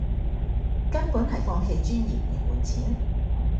根本係放棄尊嚴嚟換錢